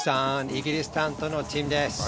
イギリス担当のティムです。